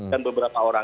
dan beberapa orang